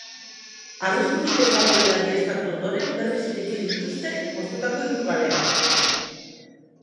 Arriskurik ez dagoela egiaztatu ondoren, berriz ireki dituzte moztutako hiru kaleak.